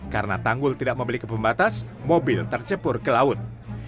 karena tanggul tidak membeli kepembatas mobil tercebur ke laut